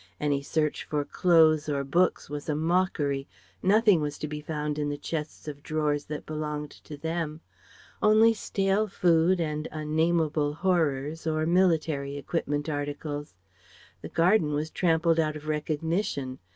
Any search for clothes or books was a mockery. Nothing was to be found in the chests of drawers that belonged to them; only stale food and unnameable horrors or military equipment articles. The garden was trampled out of recognition.